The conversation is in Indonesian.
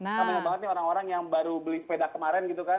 kita banyak banget nih orang orang yang baru beli sepeda kemarin gitu kan